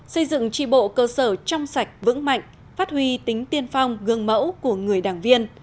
xây dựng tri bộ cơ sở trong sạch vững mạnh phát huy tính tiên phong gương mẫu của người đảng viên